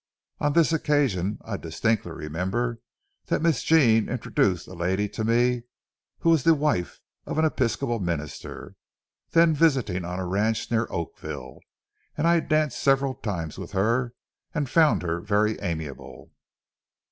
On this occasion I distinctly remember that Miss Jean introduced a lady to me, who was the wife of an Episcopal minister, then visiting on a ranch near Oakville, and I danced several times with her and found her very amiable.